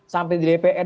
sampai di dpr